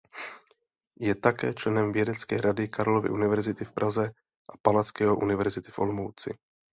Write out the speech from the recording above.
Je také členem vědecké rady Karlovy University v Praze a Palackého University v Olomouci.